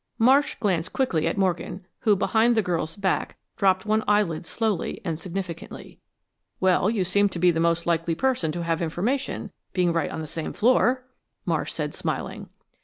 Marsh glanced quickly at Morgan, who, behind the girl's back, dropped one eyelid slowly and significantly. "Well, you seemed the most likely person to have information, being right on the same floor," Marsh said, smiling.